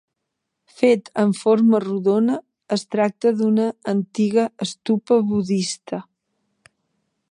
Fet en forma rodona, es tracta d'una antiga Stupa budista.